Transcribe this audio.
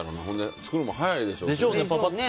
作るのも早いでしょうね。